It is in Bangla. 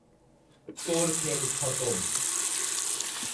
তোর খেল খতম!